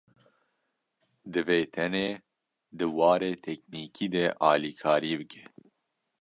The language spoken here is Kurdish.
Divê tenê di warê teknîkî de alîkarî bike